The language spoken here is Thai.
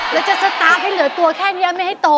แล้วจะสตาร์ฟให้เหลือตัวแค่นี้ไม่ให้โต